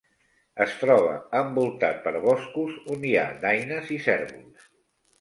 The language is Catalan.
Es troba envoltat per boscos on hi ha daines i cérvols.